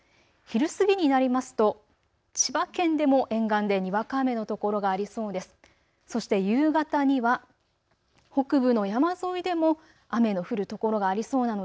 昼過ぎになりますと千葉県でも沿岸でにわか雨の所がありそうです。